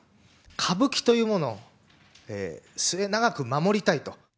歌舞伎というものを末永く守りたいと。